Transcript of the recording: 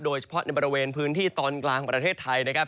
โดยเฉพาะในบริเวณพื้นที่ตอนกลางของประเทศไทยนะครับ